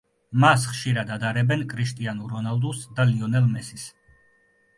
მას ხშირად ადარებენ კრიშტიანუ რონალდუს და ლიონელ მესის.